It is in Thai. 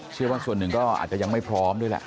เชื่อว่าส่วนหนึ่งก็อาจจะยังไม่พร้อมด้วยแหละ